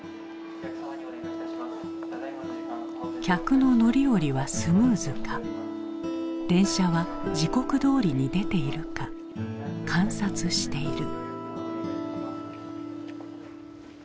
客の乗り降りはスムーズか電車は時刻どおりに出ているか観察している。